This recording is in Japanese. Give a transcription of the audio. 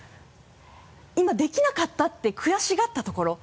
今できなかったって悔しがったところ。